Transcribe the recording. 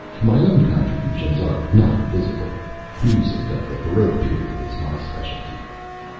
My own contributions are not visible. Music of the baroque period is my specialty."